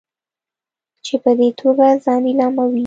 چې په دې توګه ځان لیلاموي.